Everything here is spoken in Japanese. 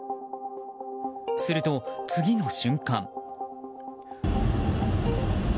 すると、次の瞬間。